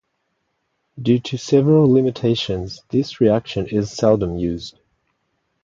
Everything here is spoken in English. Due to several limitations this reaction is seldom used.